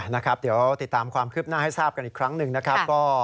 นะครับเดี๋ยวติดตามความคืบหน้าให้ทราบกันอีกครั้งหนึ่งนะครับ